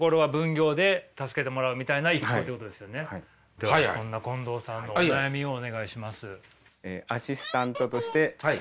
ではそんな近藤さんのお悩みをお願いします。